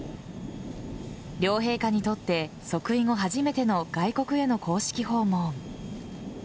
両陛下にとって即位後初めての外国への公式訪問。